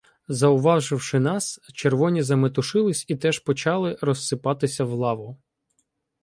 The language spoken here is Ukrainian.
Зауваживши нас, червоні заметушились і теж почали розсипатися в лаву.